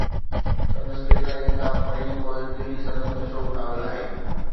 سندس ڪيترائي ڪتاب پڙهي پوءِ ”دلي“ سندس مشهور ناول آهي.